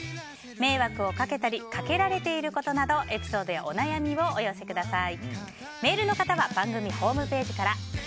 迷惑をかけたりかけられていることなどエピソードやお悩みをお寄せください。